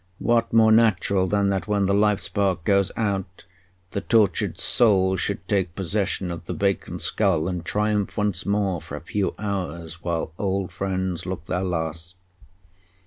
What more natural than that, when the life spark goes out, the tortured soul should take possession of the vacant skull and triumph once more for a few hours while old friends look their last?